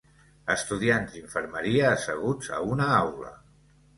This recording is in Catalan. Estudiants d'infermeria asseguts a una aula.